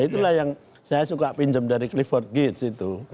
itulah yang saya suka pinjam dari clifford gates itu